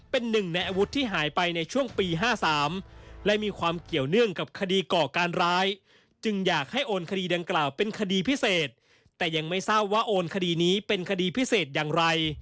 เป็นหนึ่งในอาวุธที่หายไปในช่วงปี๕๓